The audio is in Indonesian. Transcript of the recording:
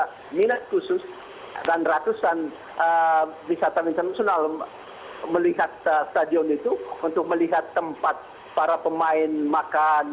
ada minat khusus dan ratusan wisatawan internasional melihat stadion itu untuk melihat tempat para pemain makan